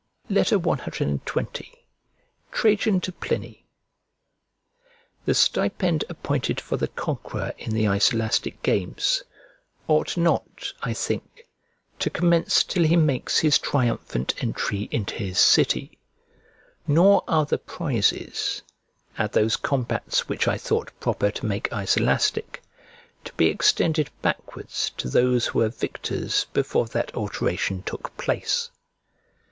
CXX TRAJAN TO PLINY THE stipend appointed for the conqueror in the Iselastic games ought not, I think, to commence till he makes his triumphant entry into his city. Nor are the prizes, at those combats which I thought proper to make Iselastic, to be extended backwards to those who were victors before that alteration took place.